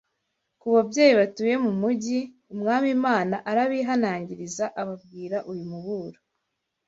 Ku babyeyi batuye mu mijyi, Umwami Imana arabihanangiriza ababwira uyu muburo: